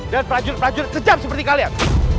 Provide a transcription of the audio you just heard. dan prajurit prajurit sejam seperti kalian